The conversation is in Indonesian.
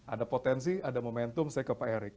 ada potensi ada momentum saya ke pak erick